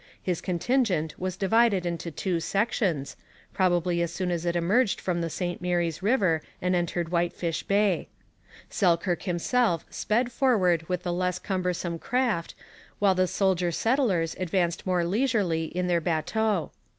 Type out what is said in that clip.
His contingent was divided into two sections, possibly as soon as it emerged from the St Mary's river and entered Whitefish Bay. Selkirk himself sped forward with the less cumbersome craft, while the soldier settlers advanced more leisurely in their bateaux.